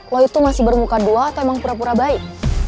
lo itu masih bermuka dua atau emang pura pura baik